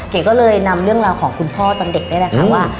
เก๋ก็เลยนำเรื่องราวของคุณพ่อตอนเด็กนี่แหละค่ะว่า